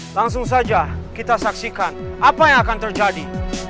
langsung saja kita saksikan apa yang akan terjadi